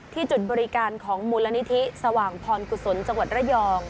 จุดบริการของมูลนิธิสว่างพรกุศลจังหวัดระยอง